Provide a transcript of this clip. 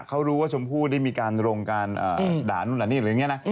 เขารู้ว่าฝมพู่ได้มีการลงกาด่านุ่นน่านนี่อะไรแบบนี้นะ